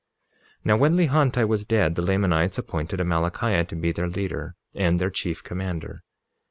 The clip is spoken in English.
47:19 Now, when Lehonti was dead, the Lamanites appointed Amalickiah to be their leader and their chief commander.